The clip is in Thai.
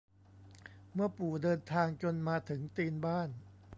เมื่อปู่เดินทางจนมาถึงตีนบ้าน